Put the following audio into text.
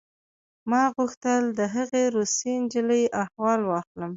ما غوښتل د هغې روسۍ نجلۍ احوال واخلم